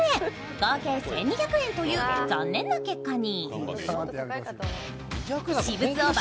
合計１２００円という残念な結果に。